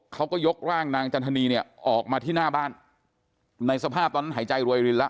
เขาก็ยกร่างนางจันทนีเนี่ยออกมาที่หน้าบ้านในสภาพตอนนั้นหายใจรวยรินแล้ว